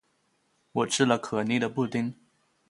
我吃了可妮的布丁